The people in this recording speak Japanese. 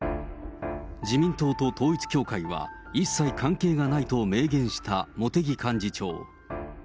自民党と統一教会は一切関係がないと明言した茂木幹事長。